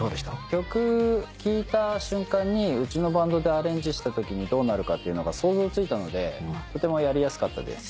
曲聴いた瞬間にうちのバンドでアレンジしたときにどうなるかっていうのが想像ついたのでとてもやりやすかったです。